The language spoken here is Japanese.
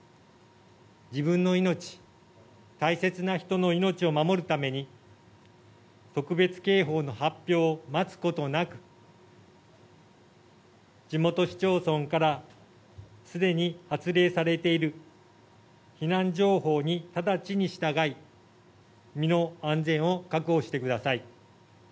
自分の命大切な人の命を守るために特別警報の発表を待つことなく地元市町村からすでに発令されている避難情報に直ちに従い身の安全を確保してください。